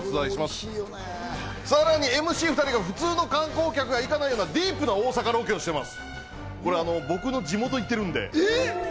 さらにＭＣ２人が普通の観光客は行かないようなディープな大阪をロケしております。